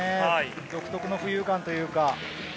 独特の浮遊感というか。